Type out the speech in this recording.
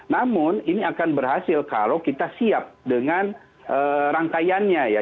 namun ini akan berhasil kalau kita siap dengan rangkaiannya ya